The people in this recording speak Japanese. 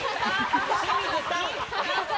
清水さん。